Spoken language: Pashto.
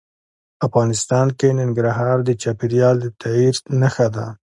افغانستان کې ننګرهار د چاپېریال د تغیر نښه ده.